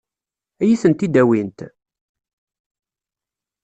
Ad iyi-tent-id-awint?